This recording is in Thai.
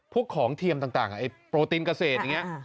พวกของเทียมต่างโปรตีนเกษตรอย่างนี้